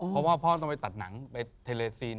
เพราะว่าพ่อต้องไปตัดหนังไปเทเลซีน